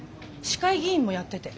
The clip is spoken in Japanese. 市会議員もやってて。